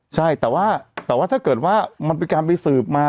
ใช่แต่ว่าถ้าเกิดว่ามันเป็นการไปสืบมา